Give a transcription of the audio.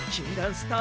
スター！